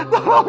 tolong ya allah